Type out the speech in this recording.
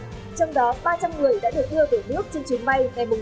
trong đó ba trăm linh người đã được đưa về nước trên chuyến bay ngày chín tháng ba